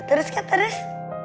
terus kak terus